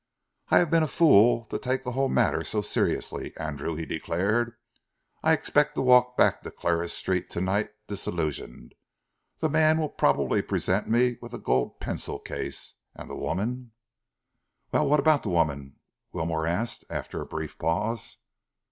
"I have been a fool to take the whole matter so seriously, Andrew," he declared. "I expect to walk back to Clarges Street to night, disillusioned. The man will probably present me with a gold pencil case, and the woman " "Well, what about the woman?" Wilmore asked, after a brief pause.